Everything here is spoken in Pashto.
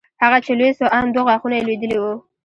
هغه چې لوى سو ان دوه غاښونه يې لوېدلي وو.